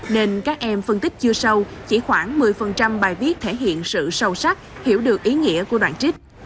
nên các em phân tích chưa sâu chỉ khoảng một mươi bài viết thể hiện sự sâu sắc hiểu được ý nghĩa của đoạn trích